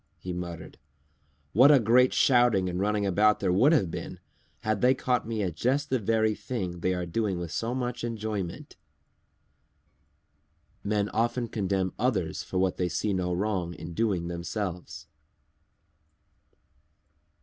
he muttered. "What a great shouting and running about there would have been, had they caught me at just the very thing they are doing with so much enjoyment!" _Men often condemn others for what they see no wrong in doing themselves.